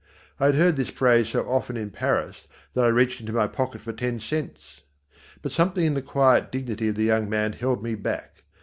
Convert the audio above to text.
I had heard this phrase so often in Paris that I reached into my pocket for ten cents. But something in the quiet dignity of the young man held me back.